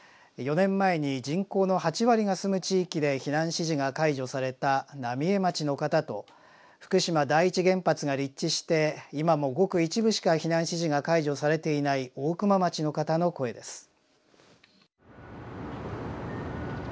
４年前に人口の８割が住む地域で避難指示が解除された浪江町の方と福島第一原発が立地して今もごく一部しか避難指示が解除されていない大熊町の方の声です。